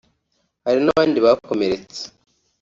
hari n’abandi bakomeretse